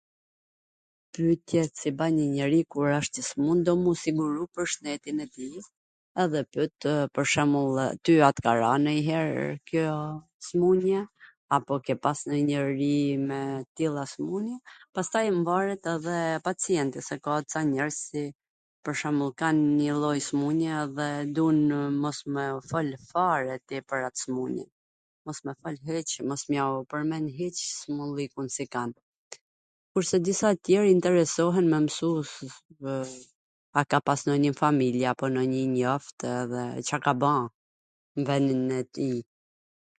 Pytja si ban njw njeri kur asht i smur do m u siguru pwr shnetin e tij, edhe pyt pwr shwmbull ty a t ka ra nonjher kjo smun-ja, apo ke pas ndonj njeri me t tilla smun-je, pastaj mvaret edhe pacienti, se ka ca njerz si pwr shwmbull kan njw lloj smun-je, dhe dunw mos me u folw fare ti, pwr at swmun-je, mos me fol hiC, mos me jua pwrmend hiC smundllikun si kan.